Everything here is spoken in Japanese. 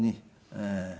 ええ。